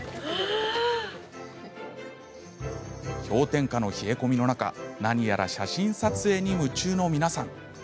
氷点下の冷え込みの中何やら写真撮影に夢中の皆さん。